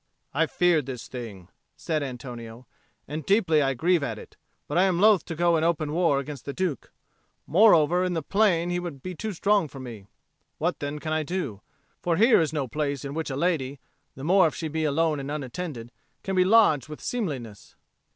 "I feared this thing," said Antonio, "and deeply I grieve at it. But I am loth to go in open war against the Duke; moreover in the plain he would be too strong for me. What then can I do? For here is no place in which a lady, the more if she be alone and unattended, can be lodged with seemliness."